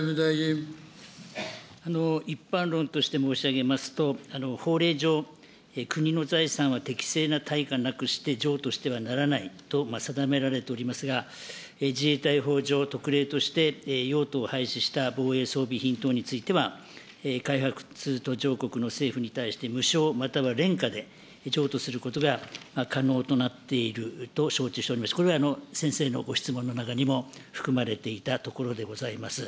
一般論として申し上げますと、法令上、国の財産は適正な対価なくして譲渡してはならないと定められておりますが、自衛隊法上、特例として用途を廃止した防衛装備品等においては、開発途上国の政府に対して無償、または廉価で、譲渡することが可能となっていると承知しておりまして、これは先生のご質問の中にも含まれていたところでございます。